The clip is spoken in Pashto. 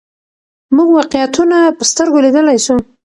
موږ واقعیتونه په سترګو لیدلای سو.